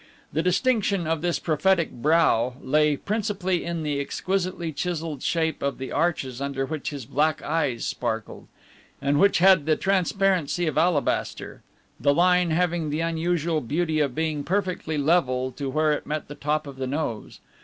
The distinction of this prophetic brow lay principally in the exquisitely chiseled shape of the arches under which his black eyes sparkled, and which had the transparency of alabaster, the line having the unusual beauty of being perfectly level to where it met the top of the nose.